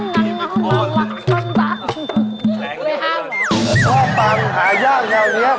คุยห้ามก่อนนะครับอย่างนี้ครับข้อปังหายากเหน่าเงี๊ยบ